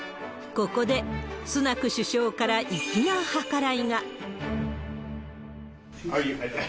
ここで、スナク首相から粋な計らいが。